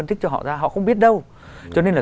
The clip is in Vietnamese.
thích cho họ ra họ không biết đâu cho nên là